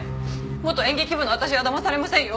元演劇部の私はだまされませんよ。